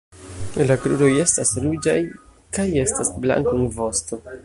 La kruroj estas ruĝaj kaj estas blanko en vosto.